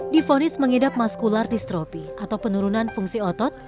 difonis mengidap maskular distropi atau penurunan fungsi otot